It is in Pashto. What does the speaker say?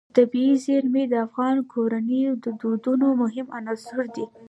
طبیعي زیرمې د افغان کورنیو د دودونو مهم عنصر دی.